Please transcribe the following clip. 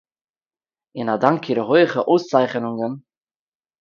און אַ דאַנק אירע הויכע אויסצייכענונגען